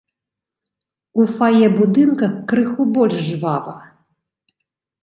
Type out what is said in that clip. У фае будынка крыху больш жвава.